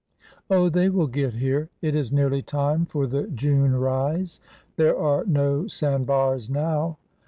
" Oh, they will get here. It is nearly time for the June rise. There are no sand bars now."